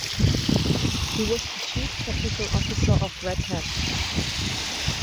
He was the chief technical officer of Red Hat.